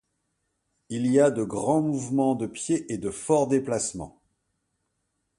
Il y a de grands mouvements de pieds et de forts déplacements.